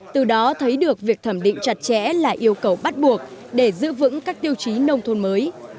từ đó thấy được việc thẩm định chặt chẽ là yêu cầu bắt buộc để giữ vững các tiêu chí nông thôn mới